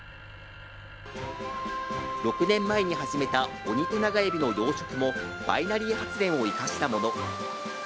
６年前に始めたオニテナガエビの養殖もバイナリー発電を生かしたもの。